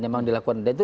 yang memang dilakukan